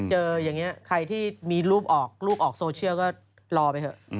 เจอังนี้ใครที่มีรูปออกรูปออกโซเชียลก็ต้องรอเผ้าระ